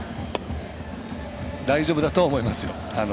大丈夫だとは思いますよ。